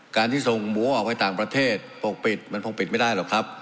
การที่ส่งหมูออกไปต่างประเทศปกปิดมันคงปิดไม่ได้หรอกครับ